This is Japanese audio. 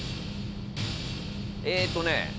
えーっとね